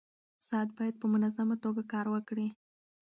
ساعت باید په منظمه توګه کار وکړي.